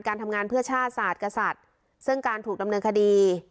การทำงานเพื่อชาติศาสตร์กษัตริย์ซึ่งการถูกดำเนินคดี